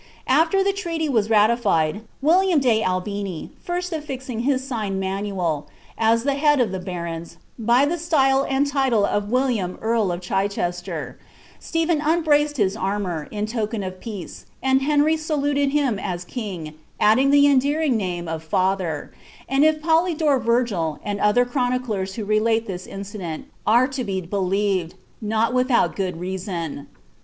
Afier the treaty was ratified, William de Albini first affixing his sign manual, as the head of the barons, by the style and title of William earl of Chichester,' Stephen unbraced his annonr, in token of peace, and Henry saluted him as ^^ king," adding the endearing name of ^ father ;" and if Polydore Vergil, and other chroniclers who rdate this incident, are to be believed, not without good reason.